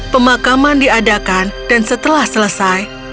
pemakaman diadakan dan setelah selesai